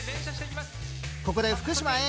ここで福島Ａ